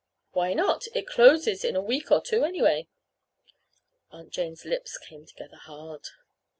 "Why not? It closes in a week or two, anyway." Aunt Jane's lips came together hard.